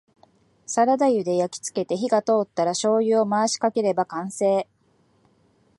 サラダ油で焼きつけて火が通ったらしょうゆを回しかければ完成